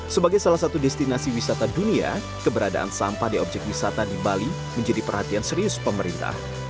sebagai salah satu destinasi wisata dunia keberadaan sampah di objek wisata di bali menjadi perhatian serius pemerintah